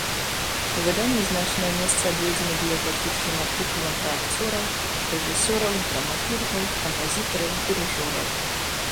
У выданні значнае месца адведзена біяграфічным артыкулам пра акцёраў, рэжысёраў, драматургаў, кампазітараў, дырыжораў.